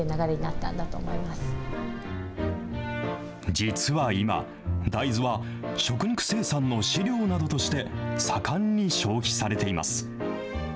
実は今、大豆は食肉生産の飼料などとして盛んに消費されています。